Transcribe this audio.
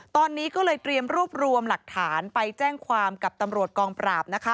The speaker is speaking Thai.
ตอนนี้ก็เลยเตรียมรวบรวมหลักฐานไปแจ้งความกับตำรวจกองปราบนะคะ